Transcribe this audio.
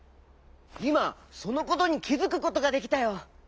いまそのことにきづくことができたよ。